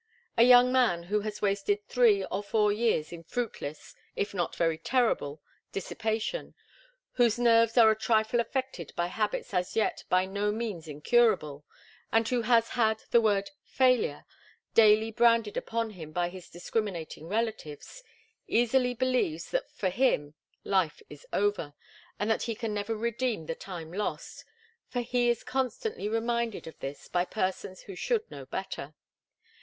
A young man who has wasted three or four years in fruitless, if not very terrible, dissipation, whose nerves are a trifle affected by habits as yet by no means incurable, and who has had the word 'failure' daily branded upon him by his discriminating relatives, easily believes that for him life is over, and that he can never redeem the time lost for he is constantly reminded of this by persons who should know better.